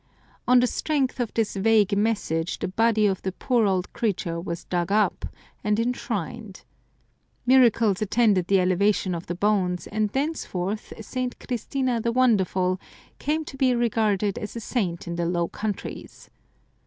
On the strength of this vague message the body of the poor old creature was dug up, and enshrined. Miracles attended the elevation of the bones, and thenceforth St. Christina the Wonderful came to be regarded as a saint in the Low Countries.